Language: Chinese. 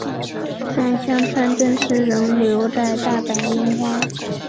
但香川真司仍留在大阪樱花。